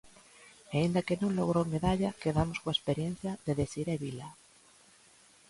E aínda que non logrou medalla, quedamos coa experiencia de Desirée Vila.